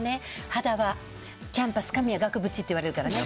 肌はキャンパス、髪は額縁って言われるからね。